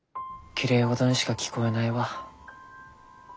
きれいごどにしか聞こえないわ。